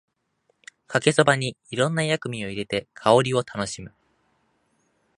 かけそばにいろんな薬味を入れて香りを楽しむ